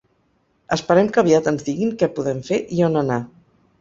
Esperem que aviat ens diguin què podem fer i on anar.